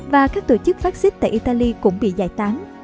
và các tổ chức fascist tại italy cũng bị giải tán